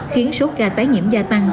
khiến số ca tái nhiễm gia tăng